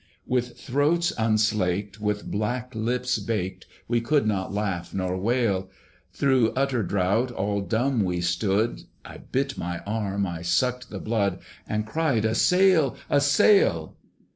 With throats unslaked, with black lips baked, We could not laugh nor wail; Through utter drought all dumb we stood! I bit my arm, I sucked the blood, And cried, A sail! a sail!